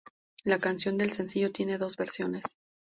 La canción del sencillo tiene dos versiones.